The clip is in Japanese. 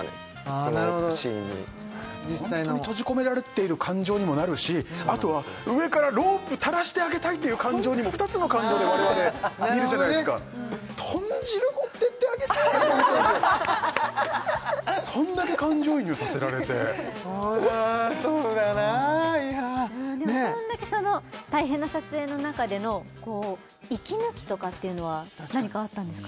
そのシーンにホントに閉じ込められてる感情にもなるしあとは上からロープ垂らしてあげたいっていう感情にも２つの感情で我々見るじゃないですか豚汁持っていってあげてえそんだけ感情移入させられてそうだよないやでもそんだけ大変な撮影の中での息抜きとかっていうのは何かあったんですか？